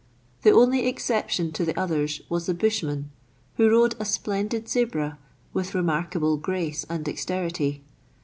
The only exception to the others was the bushman, who rode a splendid zebra with remarkable grace and dexterity.